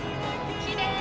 きれい。